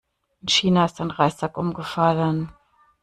In China ist ein Reissack umgefallen.